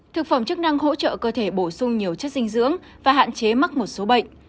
thực phẩm chức năng hỗ trợ cơ thể bổ sung nhiều chất dinh dưỡng và hạn chế mắc một số bệnh